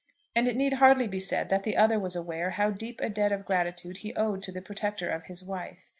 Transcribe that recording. And it need hardly be said that the other was aware how deep a debt of gratitude he owed to the protector of his wife.